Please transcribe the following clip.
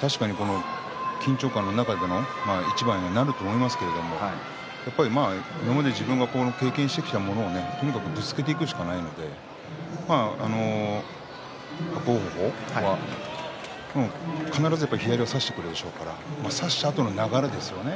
確かに緊張感の中での一番になると思いますがやっぱり今まで自分が経験してきたものをとにかくぶつけていくしかないので伯桜鵬は必ず左を差してくるでしょうから差したあとの流れですよね。